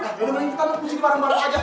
ya udah kita mau ke sini bareng bareng aja